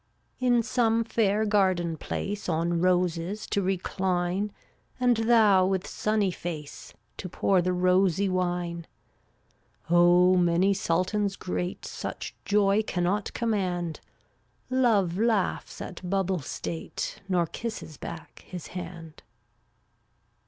398 In some fair garden place On roses to recline, And thou, with sunny face, To pour the rosy wine — Oh, many sultans great Such joy cannot command; Love laughs at bubble state, Nor kisses back his hand.